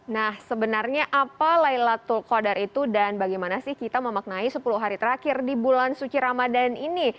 nah sebenarnya apa laylatul qadar itu dan bagaimana sih kita memaknai sepuluh hari terakhir di bulan suci ramadan ini